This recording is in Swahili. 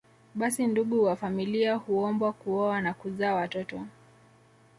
Basi ndugu wa familia huombwa kuoa na kuzaa watoto